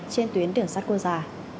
trên tuyến đường sát quốc gia